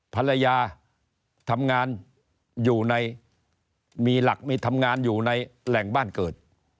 ภรรยาทำงานอยู่ในมีหลักมีทำงานอยู่ในแหล่งบ้านเกิด